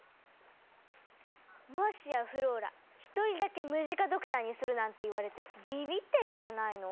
もしやフローラ１人だけムジカドクターにするなんて言われてびびってるんじゃないの？